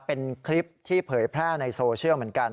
เป็นคลิปที่เผยแพร่ในโซเชียลเหมือนกัน